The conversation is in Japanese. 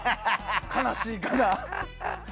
悲しいかな。